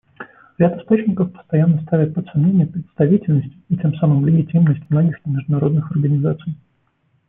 Ряд источников постоянно ставит под сомнение представительность и, тем самым, легитимность многих международных организаций.